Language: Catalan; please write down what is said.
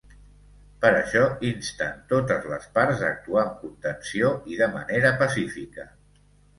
Per això insten totes les parts a actuar amb contenció i de manera pacífica.